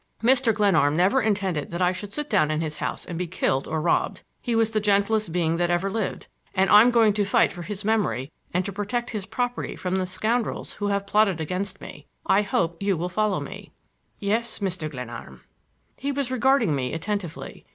Mr. Glenarm never intended that I should sit down in his house and be killed or robbed. He was the gentlest being that ever lived, and I'm going to fight for his memory and to protect his property from the scoundrels who have plotted against me. I hope you follow me." "Yes, Mr. Glenarm." He was regarding me attentively.